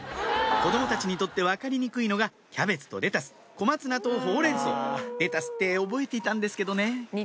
子供たちにとって分かりにくいのがキャベツとレタス小松菜とほうれん草レタスって覚えていたんですけどね